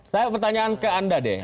saya pertanyaan ke anda deh